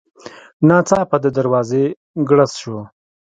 ناڅاپه د دروازې ګړز شو.